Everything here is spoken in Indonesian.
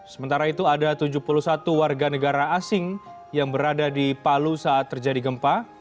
sementara itu ada tujuh puluh satu warga negara asing yang berada di palu saat terjadi gempa